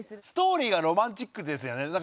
ストーリーがロマンチックですよね。